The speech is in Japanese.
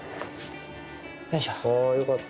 よいしょ。